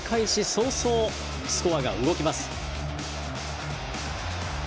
早々スコアが動きます。